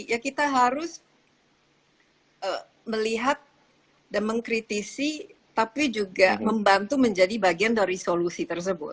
ya kita harus melihat dan mengkritisi tapi juga membantu menjadi bagian dari solusi tersebut